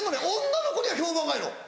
女の子には評判がいいの。